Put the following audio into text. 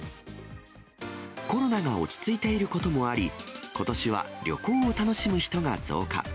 コロナが落ち着いていることもあり、ことしは旅行を楽しむ人が増加。